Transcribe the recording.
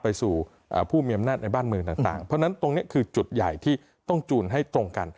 ไปสู่ผู้มีอำนาจในบ้านเมืองต่างเพราะฉะนั้นตรงนี้คือจุดใหญ่ที่ต้องจูนให้ตรงกัน